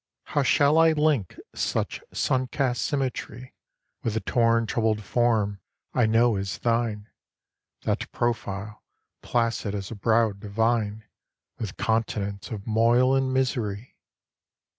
How shall I link such sun cast symmetry With the torn troubled form I know as thine, That profile, placid as a brow divine, With continents of moil and misery?